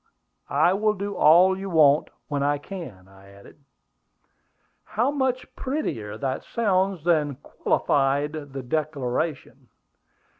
I will do all you want when I can," I added. "How much prettier that sounds than 'qualified the declaration.'"